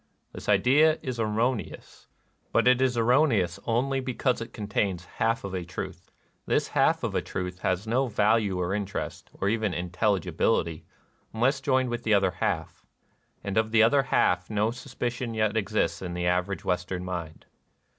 This idea is erroneous. But it is erroneous only because it contains half of a truth. This half of a truth has no value or interest, or even intelligibility, unless joined with the other half. And of the other half no suspicion yet exists in the average Western mind.